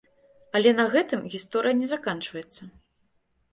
Але на гэтым гісторыя не заканчваецца.